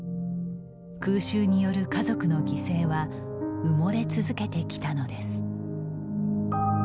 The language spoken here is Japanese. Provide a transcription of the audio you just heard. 空襲による家族の犠牲は埋もれ続けてきたのです。